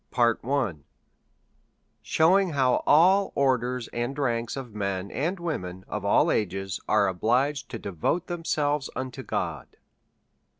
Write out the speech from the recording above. Sheioing how all Orders and Ranks of Men and Women of all Ages are obliged to devote them selves to God.